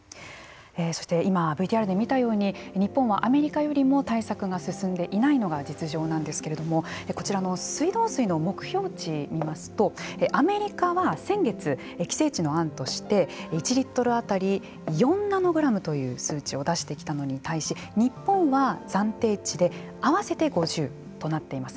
そして今ＶＴＲで見たように日本はアメリカよりも対策が進んでいないのが実情なんですけれどもこちらの水道水の目標値を見ますとアメリカは先月規制値の案として１リットル当たり４ナノグラムという数字を出してきたのに対して日本は、暫定値で合わせて５０となっています。